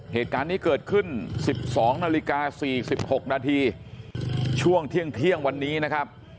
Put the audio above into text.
เหตุการณ์นี้เกิดขึ้น๑๒นาฬิกา๔๖นาทีช่วงเที่ยงวันนี้นะครับ